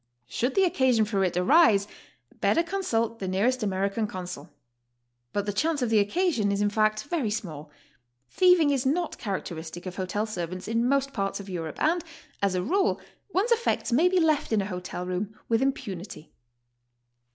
Should the occasion for it arise, better consult the near est American consul. But the chance of the occasion is in fact very small. Thieving is not characteristic of hotel ser vants in most parts of Europe, and, as a rule, one's effects may be left in a hotel room with impunity.